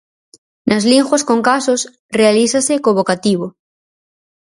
Nas linguas con casos realízase co vocativo.